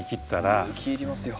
勇気いりますよ。